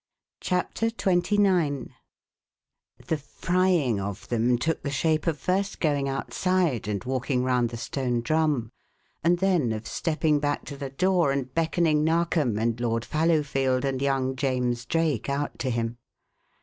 CHAPTER XXIX The "frying" of them took the shape of first going outside and walking round the Stone Drum, and then of stepping back to the door and beckoning Narkom and Lord Fallowfield and young James Drake out to him.